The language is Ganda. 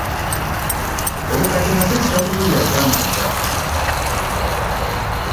Obukadde magezi, takubuulira kyamukuza .